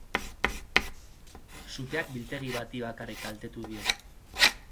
Suteak biltegi bati bakarrik kaltetu egin dio.